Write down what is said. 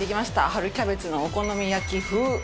春キャベツのお好み焼き風と。